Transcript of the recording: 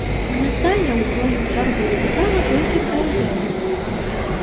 Наталля ў сваю чаргу спытала толькі пра ўзрост.